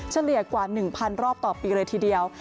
เฉลี่ยกว่า๑๐๐รอบต่อปีเลยทีเดียว